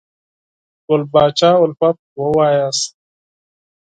ګل پاچا الفت ولولئ!